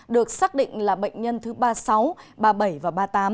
được xác định là bệnh nhân thứ ba mươi sáu ba mươi bảy và ba mươi tám